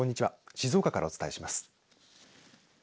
静岡からお伝えします。